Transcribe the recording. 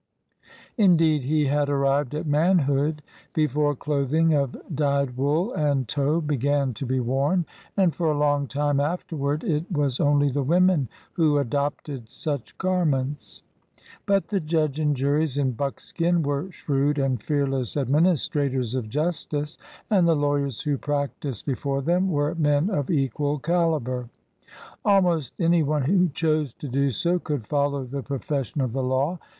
Indeed, he had arrived at manhood before clothing of dyed wool and tow began to be worn, and for a long time afterward it was only the women who adopted such garments. But the judge and juries in buckskin were shrewd and fearless administrators of justice, and the lawyers who practised before them were men of equal caliber. Almost anyone who chose to do so could follow the profession of the law.